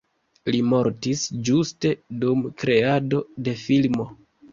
Li mortis ĝuste dum kreado de filmo.